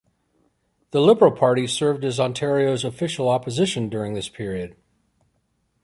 The Liberal Party served as Ontario's official opposition during this period.